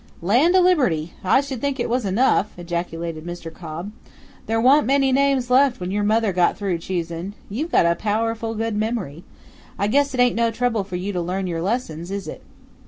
"Land o' Liberty! I should think it was enough," ejaculated Mr. Cobb. "There wa'n't many names left when your mother got through choosin'! You've got a powerful good memory! I guess it ain't no trouble for you to learn your lessons, is it?"